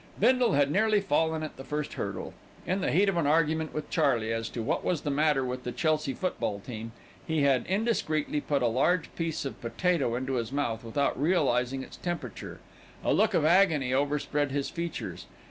Bindle had nearly fallen at the first hurdle. In the heat of an argument with Charley as to what was the matter with the Chelsea football team, he had indiscreetly put a large piece of potato into his mouth without realising its temperature. A look of agony overspread his features.